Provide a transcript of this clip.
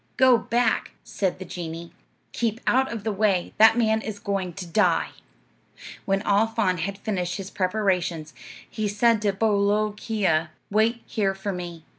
'Go back,' said the genie; 'keep out of the way. That man is going to die.' "When Al Faan had finished his preparations, he said to Bolookeea, 'Wait here for me.'